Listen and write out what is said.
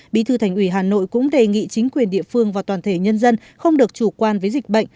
bí thư thành ủy hà nội cũng đề nghị chính quyền địa phương và toàn thể nhân dân không được chủ quan với dịch bệnh